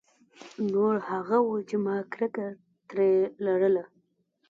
نور هغه وو چې ما کرکه ترې لرله.